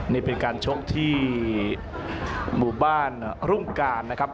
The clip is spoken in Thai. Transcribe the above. นี่เป็นการชกที่หมู่บ้านรุ่งการนะครับ